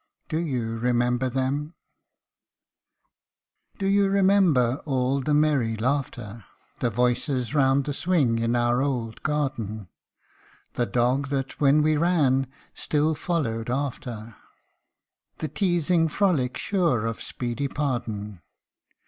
Do you remember them ? Do you remember all the merry laughter ; The voices round the swing in our old garden : The dog that, when we ran, still followed after ; The teasing frolic sure of speedy pardon : RECOLLECTIONS.